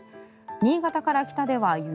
新潟から北では雪